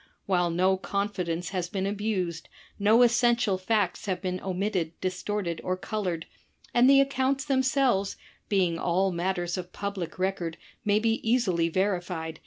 While no confidence has been abused, no essential facts have been omitted, distorted, or colored, and the accounts themselves, being all matters of public record, may be easily verified.